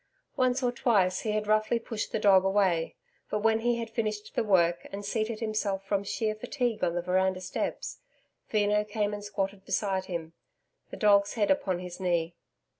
Once or twice, he had roughly pushed the dog away, but, when he had finished the work and seated himself from sheer fatigue on the veranda steps, Veno came and squatted beside him, the dog's head upon his knee.